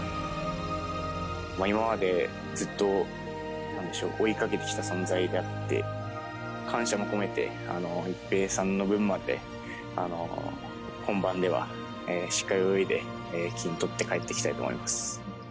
今までずっとなんでしょう、追いかけてきた存在だって、感謝も込めて、一平さんの分まで、本番ではしっかり泳いで、金とって帰ってきたいと思います。